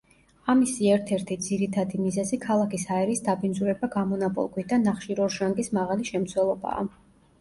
ამისი ერთ-ერთი ძირითადი მიზეზი ქალაქის ჰაერის დაბინძურება გამონაბოლქვით და ნახშირორჟანგის მაღალი შემცველობაა.